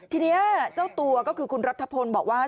ทีนี้เจ้าตัวก็คือคุณรัฐพลบอกว่า